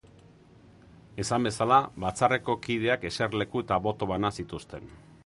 Esan bezala, Batzarreko kideak eserleku eta boto bana zituzten.